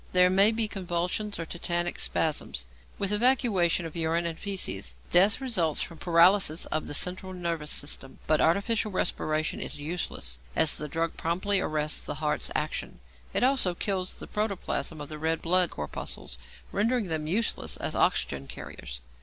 There may be convulsions or tetanic spasms, with evacuation of urine and fæces. Death results from paralysis of the central nervous system, but artificial respiration is useless, as the drug promptly arrests the heart's action. It also kills the protoplasm of the red blood corpuscles, rendering them useless as oxygen carriers.